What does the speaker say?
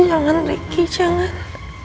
jangan ricky jangan